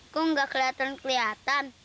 kok gak keliatan keliatan